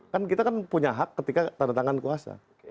kan kita kan punya hak ketika tandatangan kuasa